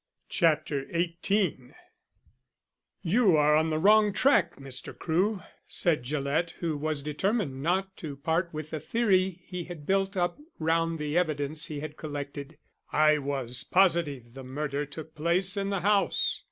CHAPTER XVIII "YOU are on the wrong track, Mr. Crewe," said Gillett, who was determined not to part with the theory he had built up round the evidence he had collected. "I was positive the murder took place in the house.